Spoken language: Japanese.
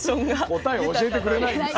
答え教えてくれないんだ。